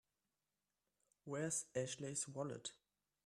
Where's Ashley's wallet?